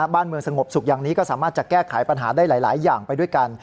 บ้านเมืองสงบสุขอย่างนี้ก็สามารถจะแก้ไขปัญหาได้หลายอย่างไปด้วยกัน